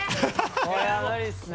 これは無理っすね。